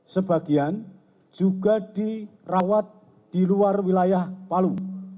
sebagian juga dirawat di luar wilayah palu